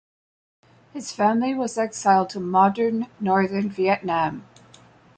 His family was exiled to modern northern Vietnam.